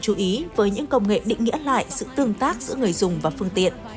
chú ý với những công nghệ định nghĩa lại sự tương tác giữa người dùng và phương tiện